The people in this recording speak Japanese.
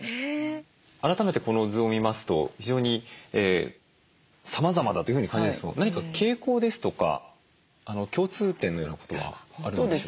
改めてこの図を見ますと非常にさまざまだというふうに感じるんですけど何か傾向ですとか共通点のようなことはあるんでしょうか？